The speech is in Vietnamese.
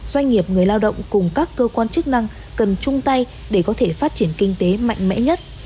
doanh nghiệp người lao động cùng các cơ quan chức năng cần chung tay để có thể phát triển kinh tế mạnh mẽ nhất